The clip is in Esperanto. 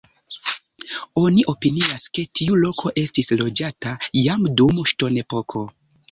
Oni opinias, ke tiu loko estis loĝata jam dum la ŝtonepoko.